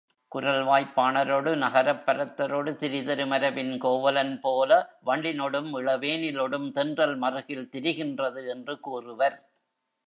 குரல்வாய்ப் பாணரொடு நகரப்பரத்தரொடு திரிதரு மரபின் கோவலன் போல வண்டினொடும் இளவேனிலொடும் தென்றல் மறுகில் திரிகின்றது என்று கூறுவர்.